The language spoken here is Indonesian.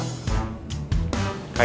pernah lihat si aikal